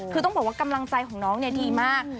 คือต้องบอกว่ากำลังใจของน้องดีมาก